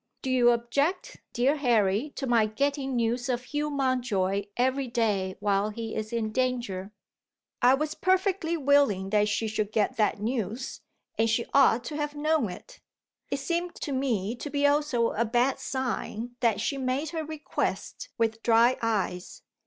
Do you object, dear Harry, to my getting news of Hugh Mountjoy every day, while he is in danger?" I was perfectly willing that she should get that news, and she ought to have known it. It seemed to me to be also a bad sign that she made her request with dry eyes.